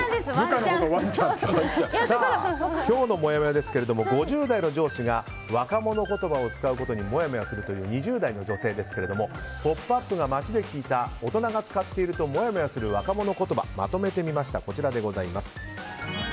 今日のもやもやですけど５０代の上司が若者言葉を使うことにもやもやするという２０代の女性ですが「ポップＵＰ！」が街で聞いた大人が使っているともやもやする若者言葉まとめてみました。